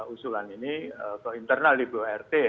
usulan ini ke internal di bort